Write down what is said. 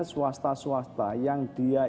swasta swasta yang dia